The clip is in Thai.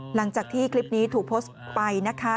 หลังจากที่คลิปนี้ถูกโพสต์ไปนะคะ